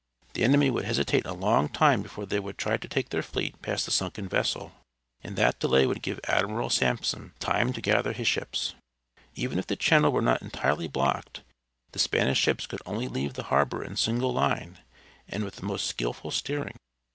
The enemy would hesitate a long time before they would try to take their fleet past the sunken vessel, and that delay would give Admiral Sampson time to gather his ships. Even if the channel were not entirely blocked the Spanish ships could only leave the harbor in single line and with the most skilful steering.